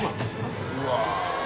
うわ。